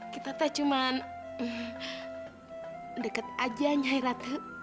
kita teh cuma deket aja nyiratu